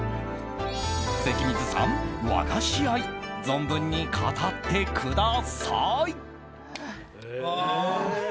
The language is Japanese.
関水さん、和菓子愛存分に語ってください。